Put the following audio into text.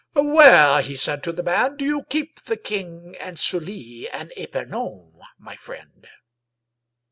" Where," he said to the man, " do you keep the King and Sully and Epemon, my friend?"